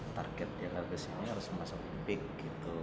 targetnya harus masuk olimpiade